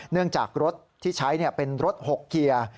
เนื่องจากรถที่ใช้เป็นรถ๖เคลียร์